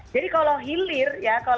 jadi kalau hilir